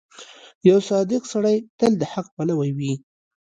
• یو صادق سړی تل د حق پلوی وي.